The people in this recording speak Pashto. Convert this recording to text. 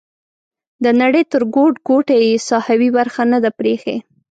د نړۍ تر ګوټ ګوټه یې ساحوي برخه نه ده پریښې.